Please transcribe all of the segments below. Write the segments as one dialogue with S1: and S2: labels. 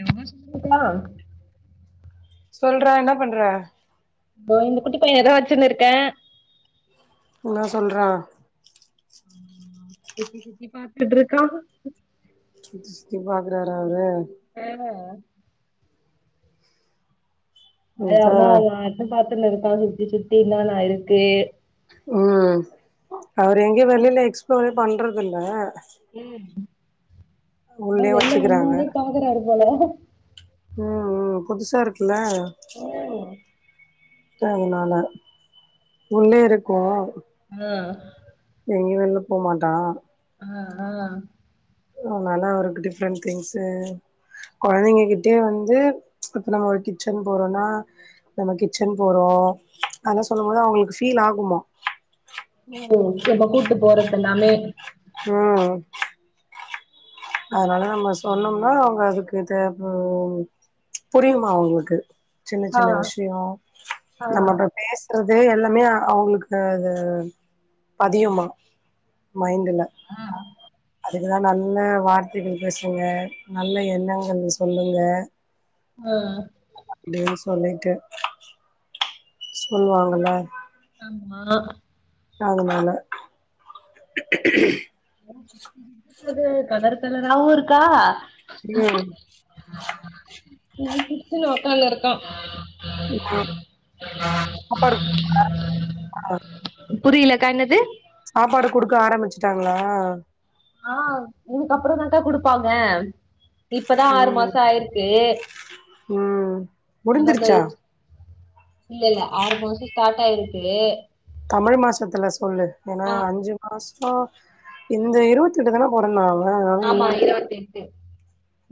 S1: [unintelligible]
S2: சொல்றா என்ன பண்ற
S1: தோ இந்த குட்டி பயணதா வெச்சின்ருக்கே
S2: என்னா சொல்றா
S1: சுத்தி சுத்தி பாத்துட்ருக்கா
S2: சுத்தி சுத்தி பாக்குறாரா அவரு
S1: வேல
S2: அதா
S1: ஆயாமா அவ அண்ண பாத்துன்னுருக்கா சுத்தி சுத்திதான் இருக்கு
S2: ம். அவரு எங்கயு வெளில எக்ஸ்ப்ளோரே பண்றதுல்ல.
S1: ம் வெளில
S2: வச்சுக்கிறாங்க
S1: வந்தோனே பாக்குறாரு போல.
S2: ம்ம். புதுசா இருக்குல்ல. [unintelligible] உள்ளே இருக்கு
S1: ஆ
S2: எங்கயு வெளில போ மாட்டா
S1: அ அ
S2: அதனால அவருக்கு டிஃப்ரெண்ட் திங்ஸு. கொழந்திங்ககிட்டயூ வந்து, இப்ப நம்ம ஒரு கிச்சன் போறோன்னா. நம்ம கிச்சன் போறோ அதல்லா சொல்லும்போது அவங்களுக்கு ஃபீல் ஆகுமா
S1: ம், [inaudible] கூட்டுப் போறத் எல்லாமே
S2: அ அதனால நம்ம சொன்னம்ன்னா, அவங்க அதுக்கு தே பு புரியுமா அவுங்களுக்கு சின்ன
S1: ஆ
S2: சின்ன விஷயோ
S1: ஆ
S2: நம்ம இப்ப பேஸ் றது எல்லாமே அவுங்களுக்கு அது பதியுமா மைண்டுல
S1: ஆ
S2: அதுக்குதா நன்ன வாட் [unintelligible] பேசுவங்க. நல்ல எண்ணங்கள் சொல்லுங்க.
S1: ஆ
S2: அப்படின்னு சொல்லிட்டு சொல்லுவாங்களே
S1: ஆமா
S2: அதனால
S1: சுக்காது கலர் கலராவு இருக்கா
S2: உம்
S1: டீ குடிச்சுனு ஒக்ந்து இருக்கோ
S2: ஆ
S1: புரியல கா என்னது
S2: சாப்பாடு குடுக்க ஆரம்பிச்சுட்டாங்களா
S1: ஆ இதுக்கு அப்புறோ தாங்கா குடுப்பாங்க இப்பதா ஆறு
S2: ம்
S1: மாசோ ஆயிருக்கு
S2: ம் முடிஞ்சிருச்சா
S1: [unintelligible] இல்ல இல்ல ஆறு மாசோ ஸ்டார்ட் ஆயிருக்கு
S2: தமிழ் மாசத்துல சொல்லு ஏன்னா
S1: ஆ
S2: அஞ்சு மாசோ இந்த இருபத்தி ட்டுா போறந்தா இல்ல
S1: ஆமா இருபத்தி எட்டு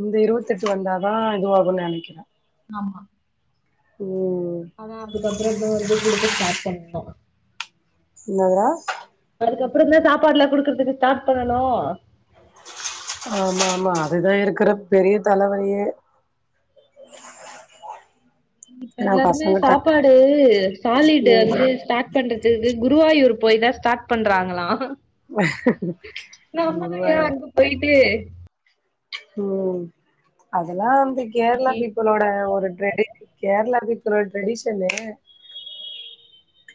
S2: இந்த இருபத்தி எட்டு வந்தாதா இதுவாகுனு நெனைக்கிறே
S1: ஆமா
S2: ம்
S1: அவ அப்படி பண்ரன்னும் போது குடுத்துட்டு சாப்பிட்னு
S2: என்னதரா
S1: அதுக்கப்புறோந்தா சாப்பாடுல்லா குடுக்குறதுக்கு ஸ்டார்ட் பண்ணணு
S2: ஆமா ஆமா அதுதா இருக்குற பெரிய தலவலியே
S1: இப்ப
S2: ஏன்னா
S1: எல்லாருமே
S2: பசங்க டக்கு
S1: சாப்பாடு சாலிடு வந்து ஸ்டார்ட் பண்றதுக்கு குருவாயூர் போய்த்தான் ஸ்டார்ட் பண்றாங்களா நம்மளு ஏ
S2: குருவாயூர்
S1: அங்க போயிட்டு
S2: உம் அதெல்லா வந்து கேரளா பீப்பிள் ஓட ஒரு ட்ரெண்டிங் கேரளா பீப்புள் ஓட டிரெடிஷன்னு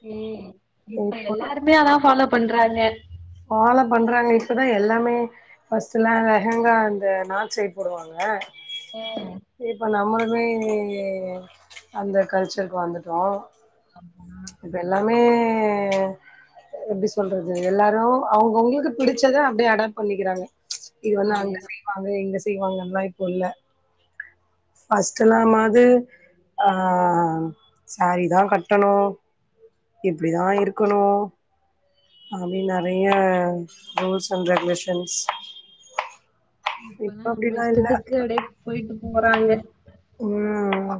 S1: ஹம் இப்ப
S2: இப்போ
S1: எல்லாருமே அதா ஃபாலோ பண்றாங்க
S2: ஃபாலோ பண்றாங்க இப்போதா எல்லாமே ஃபர்ஸ்டடு எல்லா லேகங்கா அந்த நார்த் சைட் போடுவாங்க இப்ப நம்ம இப்போமே அந்த கல்ச்சருக்கு வந்துட்டோம்
S1: ஆ
S2: ம்ச் இப்ப எல்லாமே எப்படி சொல்றது எல்லாரு அவங்கவு அவங்களுக்கு பிடிச்சத அப்படியே அடாப்ட் பண்ணிக்கிறாங்க இது வந்து அங்க
S1: அதேதா
S2: செய்வாங்க இங்க செய்வாங்கல்லா இப்போ இல்ல ஃபர்ஸ்ட்டூ எல்லாமாது ஆ சாரீ தா கட்டணு இப்படிதா இருக்கணு அப்படி நெறைய ரூல்ஸ் அண்டு ரெகுலேஷன்ஸ் இப்ப
S1: இப்பல்லா நம்ம
S2: அப்டிலா இல்ல
S1: இஷ்டத்துக்கு அப்படியே போயிட்டு போறாங்க
S2: உம்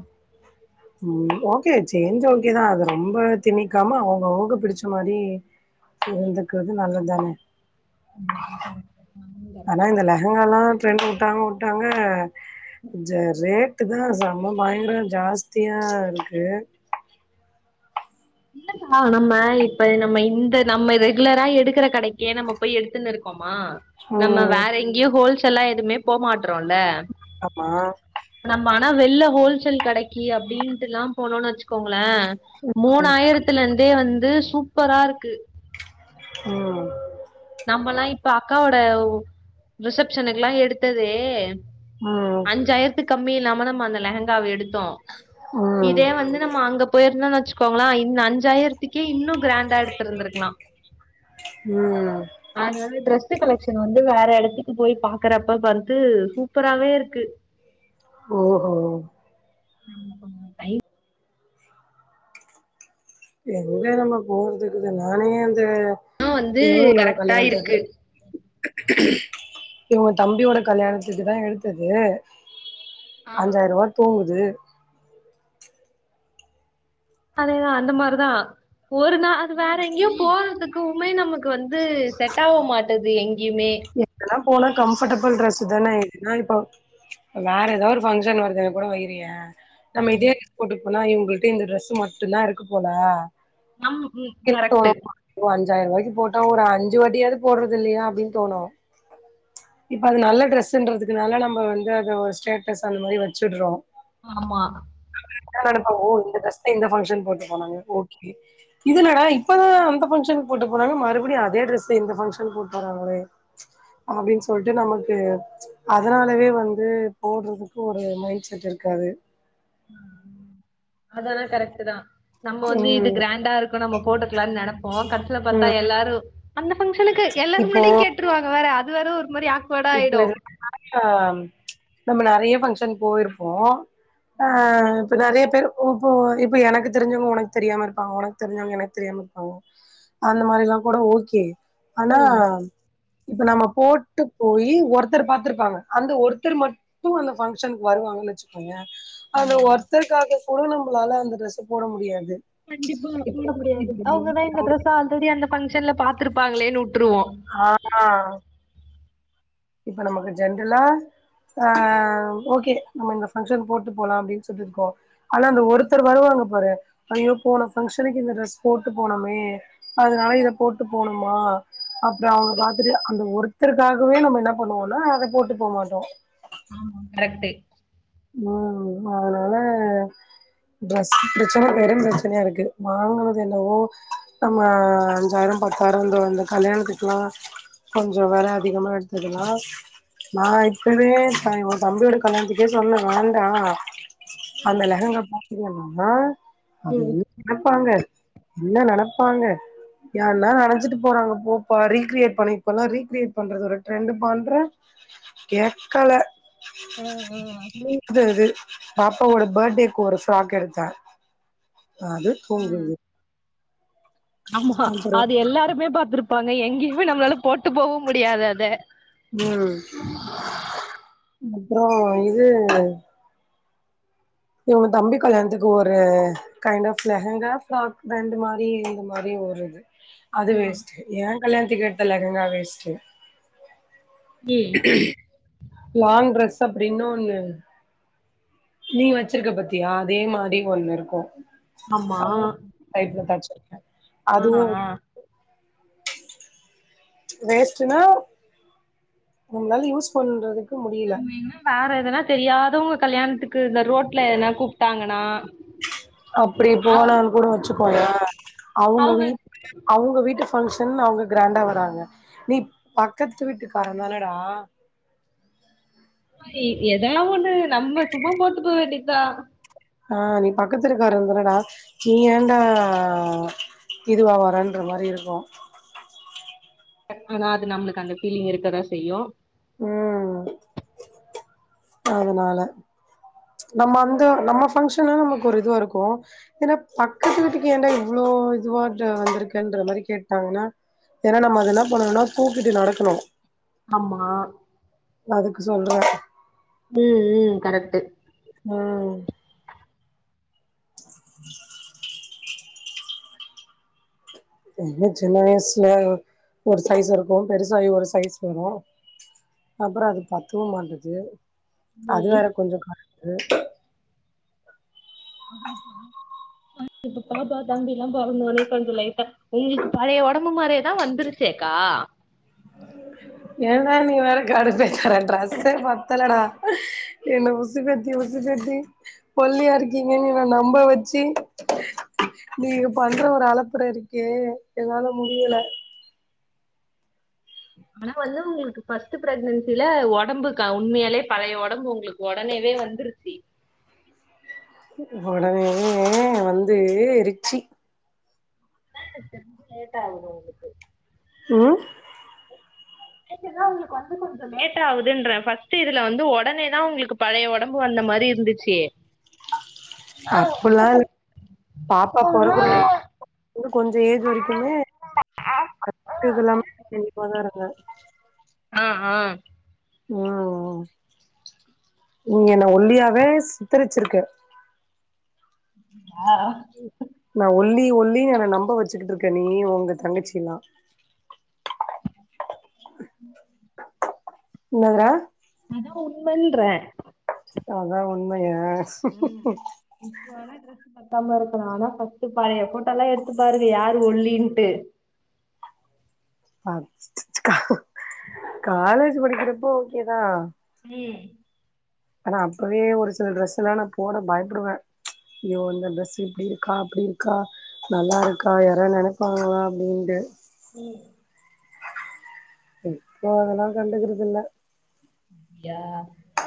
S2: உம் ஓக்கே சேஞ்ச் ஓக்கேதா அது ரொம்ப திணிக்காம அவங்க அவங்க பிடிச்ச மாரி இருந்துக்குருது நல்லத்தானே
S1: ம் கரக்ட்
S2: ஆனா இந்த லெங்கங்காலா டரெண்ட் வுட்டாங்க வுட்டாங்க கொஞ்சோ ரேட் ட்டுதா செம்ம பயங்கரோ ஜாஸ்தியா இருக்கு
S1: இல்லங்கா நம்ம இப்ப நம்ம இந்த நம்ம ரெகுலரா எடுக்கிற கடைக்கே நம்மப் போய் எடுத்துன்ன இருக்கோமா நம்ம
S2: ம்
S1: வேற எங்கியு ஹோல்சேல்லா எதுமே போ மாட்றோல்ல
S2: ஆமா
S1: நம்ம ஆனா வெள்ல ஹோல்சேல் கடைக்கி அப்டின்ட்டுலா போனோன் வச்சுக்கோங்களே மூன்
S2: ம்
S1: ஆயிரத்துல இந்தே வந்து சூப்பராருக்கு
S2: ம்
S1: நம்மலா இப்ப அக்காவோடவு ரிசப்ஷனுக்குலா எடுத்ததே
S2: ம்
S1: அஞ்சாயிரத்துக்கு கம்மி இல்லாம நம்ம அந்த லெகங்காவ எடுத்தோ
S2: ம்
S1: இதே வந்து நம்ம அங்கப் போயிருந்தோன் வச்சுக்கோங்ளே இந்த அஞ்சாயிரத்துக்கே இன்னு கிராண்டா எடுத்துருந்திருக்லா
S2: ம்
S1: அதனால டிரெஸ்சு கலெக்ஷன் வந்து வேற எடத்துக்கு போய் பாக்கறப்ப பருத்து சூப்பராவே இருக்கு
S2: ஓஹோ
S1: நம்ம கொஞ்சோ டை
S2: எங்க நம்ம போறதுகுது நானே அந்த
S1: ஆ வந்து
S2: இவுங்களோட
S1: கரெக்டா
S2: கல்யாணத்துக்கு
S1: இருக்கு
S2: இவுங்க தம்பியோட கல்யாணத்துக்குதா எடுத்தது
S1: ஆ
S2: அஞ்சாயிரவா தூங்குது
S1: அதேதா அந்த மாருதா ஒரு நாள் அது வேற எங்கியோப் போறதுக்குவுமே நமக்கு வந்து செட்டாவ மாட்டது எங்கியுமே
S2: எங்கனாப் போனா கம்ஃபடெபிள் டிரரெஸ்சுதானே எதுனா இப்போ வேற எதா ஒரு பங்க்ஷன் வருதுங்க கூட வைறியே நம்ம
S1: ம்
S2: இதே டிரஸ் போட்டுட் போனா இவுங்குள்ட்ட இந்த டிரரெஸ்சு மட்டுந்தா இருக்குப் போல
S1: அம் வும் கரெக்ட்டு
S2: ஓ அஞ்சாயிரவாய்க்கு போட்டா ஒரு அஞ்சு வாட்டியாவது போட்றதில்லியா அப்டின் தோணு இப்ப அது நல்ல டிரெஸ்ன்றதுக்குனால நம்ம வந்து அத ஸ்டேட்டஸ் அந்த மாரி வச்சுட்றோ
S1: ஆமா
S2: அவுங்க என்ன நெனைப்பாங்க ஓ இந்த டிரஸ்தா இந்த ஃபங்ஷன் போட்டு போனாங்க ஓகே இதுல்லடா இப்பதா அந்த ஃபங்க்ஷன் போட்டு போனாங்க மறுப்டியு அதே டிரெஸ்ச இந்த ஃபங்ஷன் போட்டு வறாங்ளே அப்டின்ச் சொல்ட்டு நமக்கு அதனாலவே வந்து போட்றதுக்கு ஒரு மைண்ட் செட் இருக்காது
S1: அதானா கரெக்ட்டுதா நம்ம வந்து இது
S2: ம்
S1: கிராண்டா இருக்கு நம்ம போட்டுக்லான் நெனப்போ கடைசில பாத்தா
S2: ம்
S1: எல்லாரு அந்த ஃபங்கஷனுக்கு எல்லாரு
S2: இப்போ
S1: முன்னாடியு கேட்ருவாங்க வேற அது வேற ஒரு மாரி அக்
S2: இப்ப [unintelligible] நம்ம நெறைய பங்க்ஷன் போயிருப்போ அ இப்ப நெறையப் பேரு ஓஹோ இப்ப எனக்கு தெரிஞ்சவுங்க உனக் தெரியாம இருப்பாங்க உனக் தெரிஞ்சவுங்க எனக் தெரியாம இருப்பாங்க அந்த மாரிலாங் கூட ஓகே ஆனா இப்ப நம்ம போட்டுப் போயி ஒருத்தர் பாத்திருப்பாங்க அந்த ஒருத்தர் மட்டு அந்த பங்க்ஷனுக்கு வருவாங்கன் வச்சுக்கோயே அந்த ஒருத்தர்க்காக கூட நம்மளால அந்த டிரெஸ்ச போட முடியாது
S1: கண்டிப்பா போட
S2: இப்ப
S1: முடியாது அவுங்கதா இந்த டிரெஸ்ச ஆல்ரெடி அந்த பங்க்ஷன்ல பாத்துருப்பாங்களேனு வுட்ருவோ
S2: ஆ இப்ப நமக்கு ஜென்ரலா ஆஹ ஓகே நம்ம இந்த பங்க்ஷன் போட்டு போலாம் அப்டின் சொல்ட்டுருக்கோம் ஆன அந்த ஒருத்தர் வருவாங்க பாரு ஐயோ போன ஃபங்க்ஷனுக்கு இந்த ட்ரெஸ் போட்டு போனோமே அதனால இத போட்டு போணுமா அப்றோ அவங்க ராத்திரி அந்த ஒருத்தருக்காகவே நம்ம என்ன பண்ணுவோனா அத போட்டு போமாட்டோ
S1: கரெக்ட்டு
S2: ம் அதனால டிரஸ் பிரச்சன பெரு பிரச்சனையா இருக்கு வாங்குனது என்னவோ நம்மா அஞ்சாயிரம் பத்தாயிரம்ந்து தோ இந்த கல்யாணத்துக்கெல்லா கொஞ்சம் வெல அதிகமா எடுத்ததுலா நா இப்பவே சா எ தம்பியோட கல்யணத்துக்கே சொன்ன வேண்டா அந்த லெஹங்க பாத்தீங்கன்னா அது
S1: ம்.
S2: வந்து நெனப்பாங்க என்ன நெனப்பாங்க யார்னா நெனச்சிட்டு போறாங்க போப்பா ரீகிரியேட் பண்ணி இப்பல்லா ரீகிரியேட் பண்றது ஒரு ட்ரெண்டுப்பாண்ற கேக்கல யூக்கா அது பாப்பாவோட பேர்ட்டேக்கு ஒரு ஃப்ராக் எடுத்த அது பொங்குது
S1: ஆமா அது எல்லாருமே பாத்துருப்பாங்க எங்கயுமே நம்மளால போட்டு போகவு முடியாது அத
S2: ம் அப்றோ இது இவ்ங்க தம்பி கல்யாணத்துக்கு ஒரு கைண்ட் ஆஃப் லெஹங்கா ஃப்ராக் ரெண்டு மாரி இந்த மாரி ஒரு அது வேஸ்ட் ஏ கல்யாணத்துக்கு எடுத்த லெஹங்கா வேஸ்ட்டு
S1: ம்.
S2: லாங் ட்ரெஸ் அப்டின்னு ஒண்ணு நீ வெச்சிருக்க பாத்தியா அதே மாரி ஒண்ணு இருக்கு
S1: ஆமா.
S2: [unintelligible] சைட்ல டச்சுப் பண்ணி
S1: ஆ,
S2: அதுவு
S1: ஆ.
S2: வேஸ்ட்டுனா நம்ளால யூஸ் பண்றதுக்
S1: நம்ம என்னா வேற எதனா தெரியாதவ்ங்க கல்யாணத்துக்கு இந்த ரோட்ல எதனா கூப்ட்டாங்கனா
S2: அப்பிடி போனோன் கூட வெச்சுக்கோய அவ்ங்க
S1: அவங்க
S2: வீட் அவ்ங்க வீட்டு ஃபங்க்ஷன் அவ்ங்க க்ராண்டா வராங்க நீ பக்கத்து வீட்டுகாரதானடா
S1: மாரி எதெல்லா ஒண்ணு நம்ம சும்மா போட்டு போ வேண்டித்தா
S2: ஆஹ் நீ பக்கத்து இருக்கார தானடா நீ ஏன்டா இதுவா வரன்ற மாரி இருக்கும்
S1: டக்கனா அது நம்ளுக்கு அந்த ஃபீலிங் இருக்கதா செய்யு
S2: ஆ அதனால நம்ம அந்த நம்ம பங்க்ஷன் நா நமக்கு ஒரு இதுவாருக்கு ஏனாப் பக்கத்து வீட்டுக்கு ஏன்டா இவ்ளோ இதுவா த வந்துருக்கேன்ற மாரி கேட்டாங்கனா ஏனா நம்ம அது ன்னா பண்ணணுனா தூக்கிட்டு நடக்கணு
S1: ஆமா
S2: அதுக்கு சொல்ற
S1: ம் ம் கரக்ட்டு
S2: ம் என்ன சின்ன வய்சுல ஒரு சைஸ் இருக்கு பெருசாயி ஒரு சைஸ் வரு அப்றோ அது பத்துவு மாட்டுது அது
S1: ம்.
S2: வேற கொஞ்சோ [unintelligible]
S1: ஆ இப்ப பாப்பா தம்பில்லா பொறந்தோனே கொஞ்சோ லைட்டா உங்களுக்கு பழய ஒடம்பு மாரியேதா வந்துருச்சேக்கா
S2: ஏன்டா நீ வேற கடுப்பேத்ர ட்ரெஸ்ஸே பத்தல டா என்ன உசுபேத்தி உசுபேத்தி ஒல்லியா இருக்கீங்கன்னு என்ன நம்ப வெச்சி நீ பண்ற ஒரு அலப்பற இருக்கே என்னால முடியல
S1: ஆனா வந்து உங்களுக்கு ஃபர்ஸ்ட் ப்ரெக்னன்சில ஒடம்புக்க உண்மயாலே பழய ஒடம்பு உங்ளுக் ஒடனேவே வந்துருச்சி
S2: ஒடனேவே வந்து ரிச்சி
S1: லேட் ஆகூ உங்களுக்கு
S2: ம்
S1: நேச்சர்லா உங்களுக்கு வந்து கொஞ்சொ லேட் ஆகுதுன்ற ஃபர்ஸ்ட் இதுல வந்து ஒடனேதா உங்களுக்கு பழய ஒடம்பு வந்த மாரி இருந்துச்சி தியே
S2: அப்பெல்லா இல் பாப்பா பொறக்குற வர வந்து கொஞ்சொ ஏஜ் வரக்குமே அட்த்தது எல்லாமே உன்னிப்பாதா இருங்க
S1: ஆ ஆ
S2: ம் ம் நீங்க என்ன ஒல்லியாவே சித்தெருச்சுருக்க
S1: ஆ அ
S2: ம் நா ஒல்லி ஒல்லினு என நம்ப வச்சுக்கிட்டு இருக்கே நீ ஒங்க தங்கச்சி எல்லா
S1: ம்
S2: என்னதுரா
S1: அதா உண்மன்ற
S2: அதா உண்மையா
S1: இப்பவர இதுல பத்தாம இருக்கா ஆனா ஃபர்ஸ்ட் பழைய போட்டோ எல்லா எடுத்து பாருங்க யாரு ஒல்லின்ட்டு
S2: காலேஜ் படிக்கிறப்போ ஓகேதா
S1: ம்
S2: ஆனா அப்பவே ஒரு சில ட்ரெஸெல்லா நா போட பயப்படுவே யோ அந்த ட்ரெஸ்ஸு இப்டி இருக்கா அப்டி இருக்கா நல்லா இருக்கா யார நெனைப்பாங்களா அப்டின்ட்டு
S1: ம்
S2: இப்போ அதெல்லா கண்டுக்கறது இல்ல
S1: யா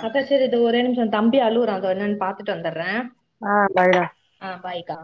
S1: அக்கா சரி இது ஒரே நிமிஷம் தம்பி அலுவுறான் அந்தோ என்னன்னு பாத்துட்டு வந்துடுறேன்
S2: ஆ பாய்டா
S1: ஆ பாய்கா